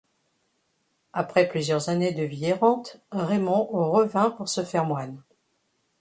Après plusieurs années de vie errante, Raymond revint pour se faire moine.